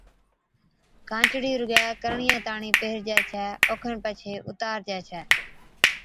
ڪانچڙِي رُگَي ڪرڻِيا تاڻِين پيھرجَي ڇَي اوکن پڇي اُتارجَي ڇَي